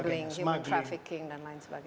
gling human trafficking dan lain sebagainya